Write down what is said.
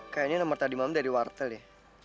kayaknya nomor tadi mam dari wartel ya